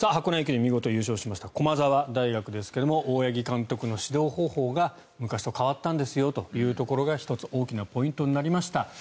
見事、優勝しました駒澤大学ですが大八木監督の指導方法が昔と変わったんですよというところが１つ、大きなポイントになりました。